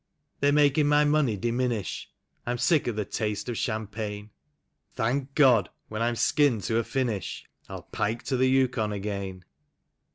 They're making my money diminish; I'm sick of the taste of cham.pagne. Thanlv God! when I'm skinned to a finish I'll pike to the Yukon again.